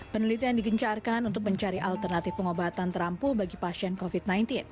penelitian digencarkan untuk mencari alternatif pengobatan terampuh bagi pasien covid sembilan belas